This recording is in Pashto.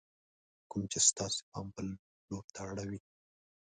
کوم چې ستاسې پام بل لور ته اړوي :